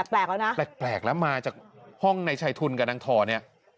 แปลกแล้วนะแปลกแล้วมาจากห้องในชายทุนกับนางทอเนี่ย